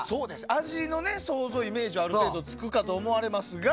味の想像、イメージはある程度つくかと思いますが。